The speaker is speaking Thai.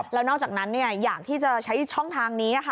แล้วนอกจากนั้นอยากที่จะใช้ช่องทางนี้